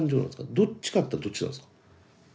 どっちかったらどっちなんですか？